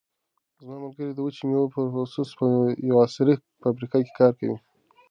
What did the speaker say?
زما ملګری د وچو مېوو د پروسس په یوه عصري فابریکه کې کار کوي.